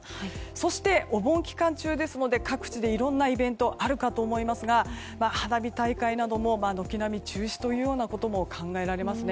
そして、お盆期間中ですので各地でいろんなイベントがあるかと思いますが花火大会なども軒並み中止というようなことも考えられますね。